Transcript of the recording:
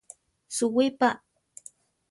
Suwí pa!